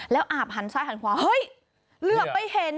แล้วอาบหันซ้ายหันขวาเฮ้ยเหลือไปเห็น